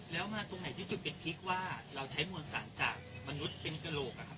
แล้วมาตรงไหนที่จุดเป็นพริกว่าเราใช้มวลสารจากมนุษย์เป็นกระโหลกอะครับ